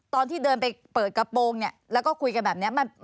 ตอนที่เดินไปเปิดกระโปรงเนี่ยแล้วก็คุยกันแบบนี้